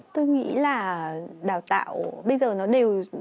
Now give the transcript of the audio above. tôi nghĩ là đào tạo bây giờ nó đều